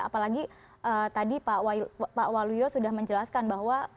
apalagi tadi pak waluyo sudah menjelaskan bahwa